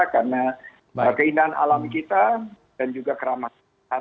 karena keindahan alam kita dan juga keramat